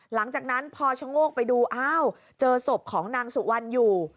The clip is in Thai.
หลังจากนั้นพอชะโงกไปดูอ้าวเจอศพของนางสุวรรณอยู่